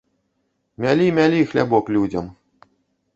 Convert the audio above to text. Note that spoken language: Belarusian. Мялі, мялі хлябок людзям!